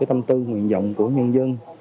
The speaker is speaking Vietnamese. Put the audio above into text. tâm tư nguyện vọng của nhân dân